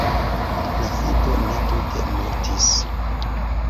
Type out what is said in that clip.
La fido ne tute mortis.